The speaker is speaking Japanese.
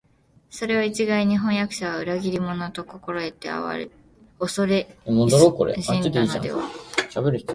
それを一概に「飜訳者は裏切り者」と心得て畏れ謹しんだのでは、